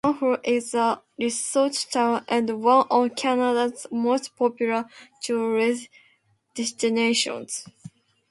Banff is a resort town and one of Canada's most popular tourist destinations.